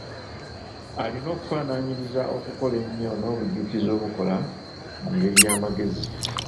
Alina okufaanaanyiriza okukola ennyo n'obujjukizi obukola mu ngeri y'amagezi .